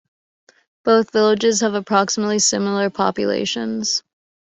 Both villages have approximately similar populations.